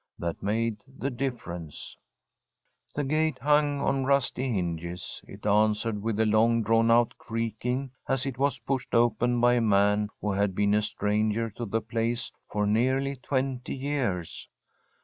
That made the difference. The gate hung on rusty hinges; it answered with a long drawn out creaking, as it was pushed open by a man who had been a stranger to the place for nearly twenty years.